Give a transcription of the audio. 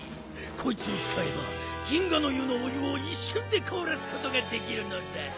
こいつをつかえば銀河の湯のお湯をいっしゅんでこおらすことができるのだ。